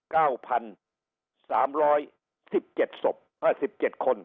เก้าพันสามร้อยสิบเจ็ดศพอ่าสิบเจ็ดคน